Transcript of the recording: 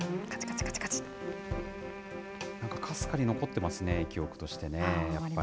なんかかすかに残ってますね、記憶としてね、やっぱり。